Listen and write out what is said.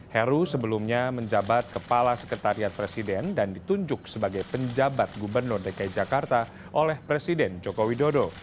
heru sebelumnya menjabat kepala sekretariat presiden dan ditunjuk sebagai penjabat gubernur dki jakarta oleh presiden joko widodo